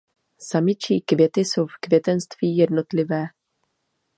Samičí květy jsou v květenství jednotlivé.